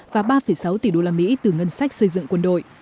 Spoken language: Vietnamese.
và ba sáu tỷ usd từ ngân sách xây dựng quân đội